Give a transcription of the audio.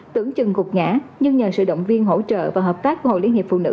tưởng chừng gục ngã nhưng nhờ sự động viên hỗ trợ và hợp tác của hội liên hiệp phụ nữ